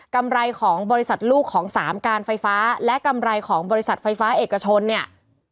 กำไรของบริษัทลูกของสามการไฟฟ้าและกำไรของบริษัทไฟฟ้าเอกชนเนี่ย